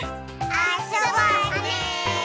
あそぼうね！